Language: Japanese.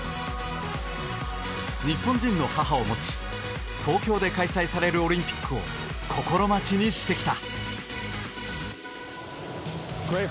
日本人の母を持ち東京で開催されるオリンピックを心待ちにしてきた。